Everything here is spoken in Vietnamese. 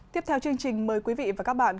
tiếp theo chương trình mời quý vị và các bạn